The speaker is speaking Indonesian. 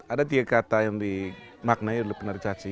ada tiga kata yang dimaknai oleh penari caci